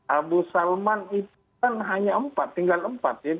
abu salman itu kan hanya empat tinggal empat ya